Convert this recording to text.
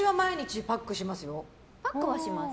パックはします。